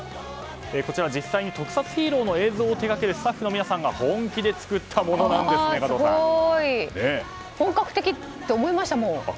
こちら、実際に特撮ヒーローの映像を手掛けるスタッフの皆さんが本気で作ったものなんですね、加藤さん。